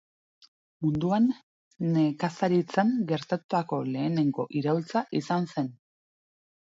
Munduan, nekazaritzan gertatutako lehenengo iraultza izan zen.